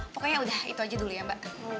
pokoknya udah itu aja dulu ya mbak